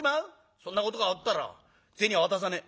そんなことがあったら銭は渡さねえ」。